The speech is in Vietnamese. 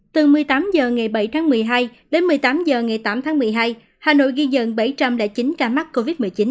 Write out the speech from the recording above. từ một mươi tám h ngày bảy tháng một mươi hai đến một mươi tám h ngày tám tháng một mươi hai hà nội ghi nhận bảy trăm linh chín ca mắc covid một mươi chín